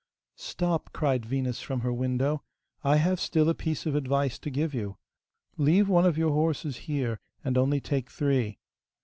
'Stop,' cried Venus from her window, 'I have still a piece of advice to give you. Leave one of your horses here, and only take three.